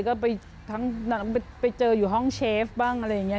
ก็ไปทั้งไปเจออยู่ห้องเชฟบ้างอะไรอย่างนี้